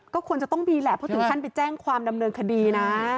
ก็ควรจะต้องมีแหละเพราะถึงขั้นไปแจ้งความดำเนินคดีนะ